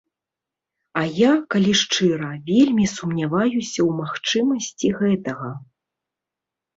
А я, калі шчыра, вельмі сумняваюся ў магчымасці гэтага.